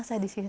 saya di sini